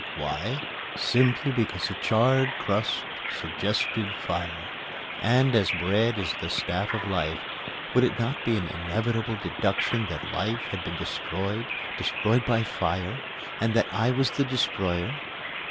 Why? Simply because the charred crust suggested fire; and, as bread is the staff of life, would it not be an inevitable deduction that life had been destroyed destroyed by fire and that I was the destroyer?